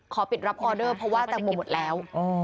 ปิดรับออเดอร์เพราะว่าแตงโมหมดแล้ว